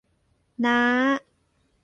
น้า